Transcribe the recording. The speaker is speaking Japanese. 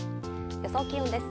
予想気温です。